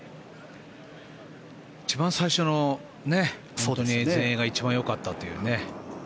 一番最初の全英が一番よかったというね。